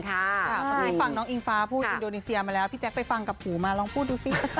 ตอนนี้ฟังน้องอิงฟ้าพูดอินโดนีเซียมาแล้วพี่แจ๊คไปฟังกับหูมาลองพูดดูสิ